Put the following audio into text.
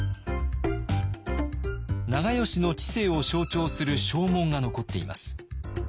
長慶の治世を象徴する証文が残っています。